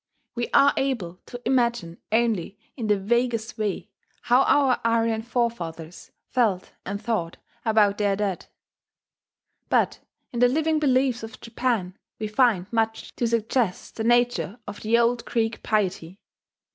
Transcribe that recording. We are able to imagine only in the vaguest way how our Aryan forefathers felt and thought about their dead. But in the living beliefs of Japan we find much to suggest the nature of the old Greek piety.